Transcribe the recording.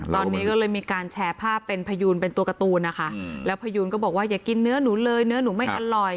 ตอนนี้ก็เลยมีการแชร์ภาพเป็นพยูนเป็นตัวการ์ตูนนะคะแล้วพยูนก็บอกว่าอย่ากินเนื้อหนูเลยเนื้อหนูไม่อร่อย